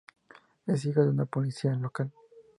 Es hijo de un policía local.